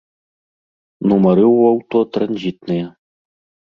Нумары ў аўто транзітныя.